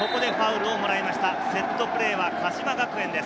セットプレーは鹿島学園です。